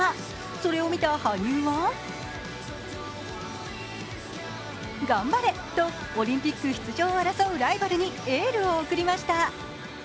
それを見た羽生は頑張れとオリンピック出場を争うライバルにエールを贈りました。